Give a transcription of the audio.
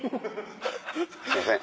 すいません。